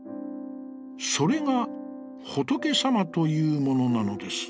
それが、ホトケさまというものなのです。